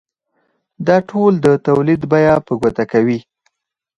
دا ټول د تولید بیه په ګوته کوي